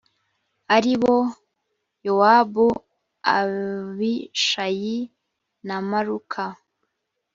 ari bo yowabu abishayi na maruka